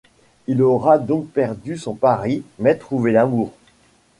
Il aura donc perdu son pari mais trouvé l'amour.